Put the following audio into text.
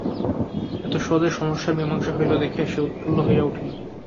এত সহজে সমস্যার মীমাংসা হইল দেখিয়া সে উৎফুল্ল হইয়া উঠিল।